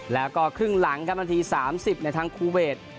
แล้วก็ครึ่งหลังครับนาที๓๐ในทางคูเวท